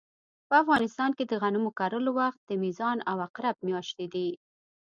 په افغانستان کې د غنمو کرلو وخت د میزان او عقرب مياشتې دي